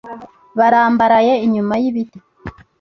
Barambaraye inyuma y'ibiti